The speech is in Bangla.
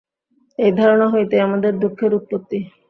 এই ধারণা হইতেই আমাদের দুঃখের উৎপত্তি।